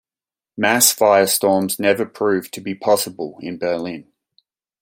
Mass firestorms never proved to be possible in Berlin.